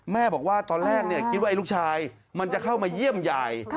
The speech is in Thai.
แม่บอกว่าตอนแรกคิดว่าไอ้ลูกชายมันจะเข้ามาเยี่ยมยาย